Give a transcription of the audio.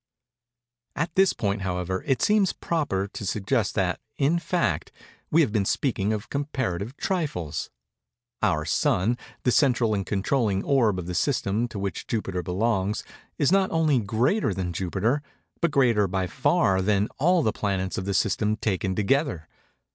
At this point, however, it seems proper to suggest that, in fact, we have been speaking of comparative trifles. Our Sun, the central and controlling orb of the system to which Jupiter belongs, is not only greater than Jupiter, but greater by far than all the planets of the system taken together.